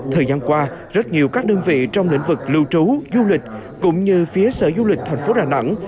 thời gian qua rất nhiều các đơn vị trong lĩnh vực lưu trú du lịch cũng như phía sở du lịch thành phố đà nẵng